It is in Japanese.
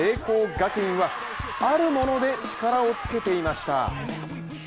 学院はあるもので力をつけていました。